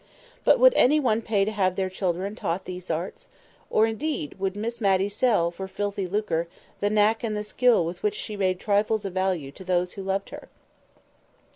But would any one pay to have their children taught these arts? or, indeed, would Miss Matty sell, for filthy lucre, the knack and the skill with which she made trifles of value to those who loved her?